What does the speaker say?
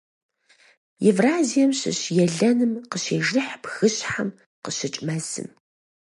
Евразием щыщ елэным къыщежыхь бгыщхьэм къыщыкӀ мэзым.